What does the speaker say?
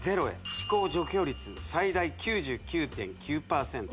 「歯垢除去率最大９９．９％！」